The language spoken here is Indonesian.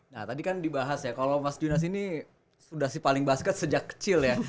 nah tadi kan dibahas ya kalau mas junas ini sudah sih paling basket sejak kecil ya